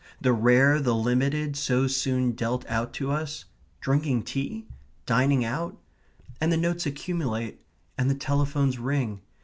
the rare, the limited, so soon dealt out to us drinking tea? dining out? And the notes accumulate. And the telephones ring.